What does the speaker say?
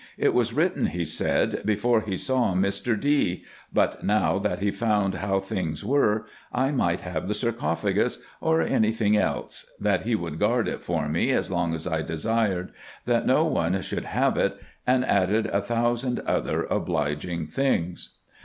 It was written, he said, before he saw Mr. D. ; but now that he found how things were, I might have the sarcophagus, or any thing else ; that he would guard it for me as long as I desired ; that no one else should have it ; and added a thousand other obliging things.